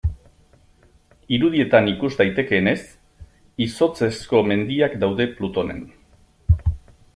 Irudietan ikus daitekeenez, izotzezko mendiak daude Plutonen.